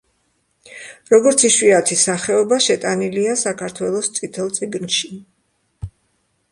როგორც იშვიათი სახეობა, შეტანილია საქართველოს „წითელ წიგნში“.